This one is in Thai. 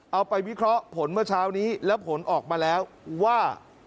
วิเคราะห์ผลเมื่อเช้านี้แล้วผลออกมาแล้วว่า